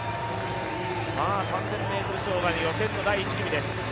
３０００ｍ障害の予選の第１組です。